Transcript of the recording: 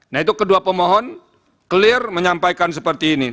nah itu kedua pemohon clear menyampaikan seperti ini